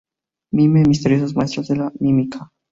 Mime Misteriosos maestros de la mímica.